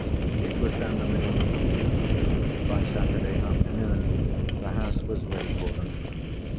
It was then the middle of the week. By Saturday afternoon the house was ready for them.